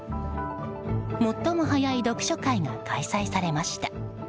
最も早い読書会が開催されました。